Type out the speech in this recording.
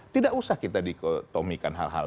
tidak usah kita dikotomikan hal hal